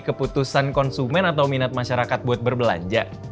keputusan konsumen atau minat masyarakat buat berbelanja